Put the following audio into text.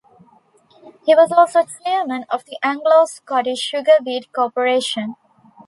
He was also chairman of the Anglo-Scottish Sugar Beet Corporation.